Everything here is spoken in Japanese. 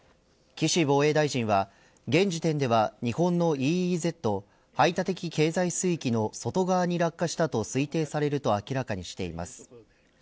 岸防衛大臣は現時点では日本のＥＥＺ、排他的経済水域の外側に落下したと推定されると明らかにしています。